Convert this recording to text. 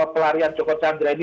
pelarian joko chandra ini